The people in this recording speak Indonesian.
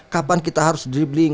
kapan kita harus dribling